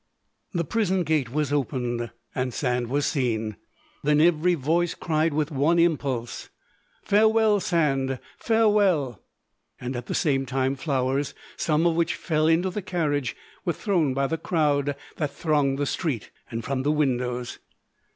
The prison gate was opened, and Sand was seen; then every voice cried with one impulse, "Farewell, Sand, farewell!" And at the same time flowers, some of which fell into the carriage, were thrown by the crowd that thronged the street, and from the windows.